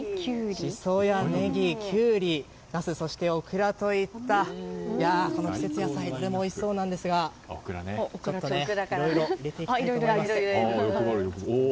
シソやネギ、キュウリナス、オクラといったこの季節の野菜これもおいしそうですがいろいろ入れていきたいと思います。